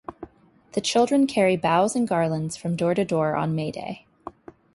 The children carry boughs and garlands from door to door on May Day.